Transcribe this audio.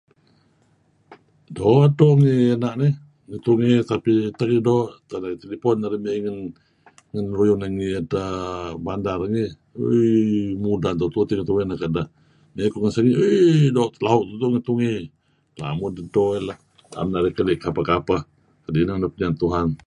Doo' tungey na' nih. Tungey tapi doo' kadi' telepone me ngen lun uyung narih ooi ngi bandar ngi uhm mudan tupu teh tungey neh kedeh . Me pingan sinih eeh doo' lau' ngi tungey lamud edo leyh naem narih keli' kapeh-kapeh kadi' neh maya pinian Tuhan'